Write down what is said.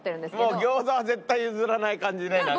もう餃子は絶対譲らない感じねなんか。